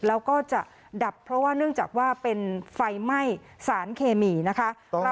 แล้วก็จะดับเพราะว่าเนื่องจากว่าเป็นไฟไหม้สารเคมีนะคะ